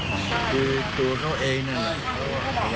แล้วไว้ที่วัดพระสิงห์